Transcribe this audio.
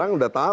orang udah tahu